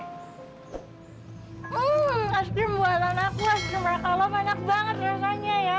es krim buatan aku es krim bakal lo banyak banget rasanya ya